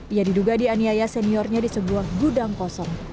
ia diduga dianiaya seniornya di sebuah gudang kosong